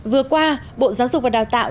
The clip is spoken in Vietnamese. vừa qua bộ giáo dục và đào tạo